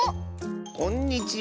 こんにちは。